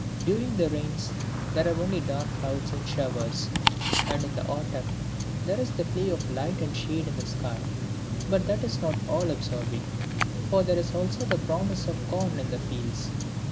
During the Rains there are only dark clouds and showers. And in the Autumn there is the play of light and shade in the sky, but that is not all absorbing; for there is also the promise of corn in the fields.